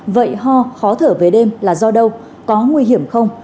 vậy ho khó thở về đêm là do đâu có nguy hiểm không